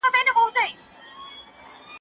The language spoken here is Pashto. زلفې دې شمارمه او شمار مې سر ته نه رسیږي